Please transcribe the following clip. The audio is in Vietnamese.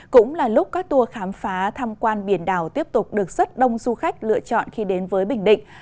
cũng là lúc các tour khám phá tham quan biển đảo tiếp tục được rất đông du khách lựa chọn khi đến với bình định